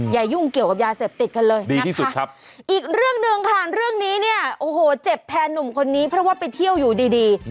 ยุ่งเกี่ยวกับยาเสพติดกันเลยนะคะอีกเรื่องหนึ่งค่ะเรื่องนี้เนี่ยโอ้โหเจ็บแทนหนุ่มคนนี้เพราะว่าไปเที่ยวอยู่ดีดี